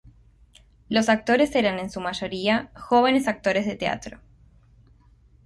Los actores eran en su mayoría jóvenes actores de teatro.